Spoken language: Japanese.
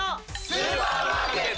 スーパーマーケット。